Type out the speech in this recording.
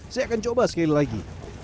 saya akan coba sekali lagi